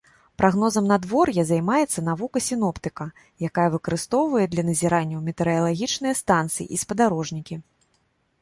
Прагнозам надвор'я займаецца навука сіноптыка, якая выкарыстоўвае для назіранняў метэаралагічныя станцыі і спадарожнікі.